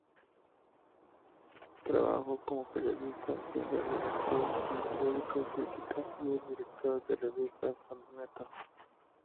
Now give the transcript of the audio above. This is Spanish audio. Trabajo como periodista, siendo redactor del periódico "Crítica" y director de la revista "Fomento".